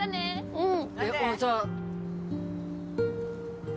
うん。